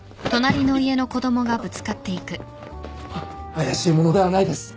怪しい者ではないです。